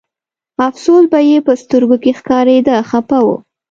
افسوس به یې په سترګو کې ښکارېده خپه و.